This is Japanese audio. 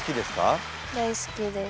大好きです。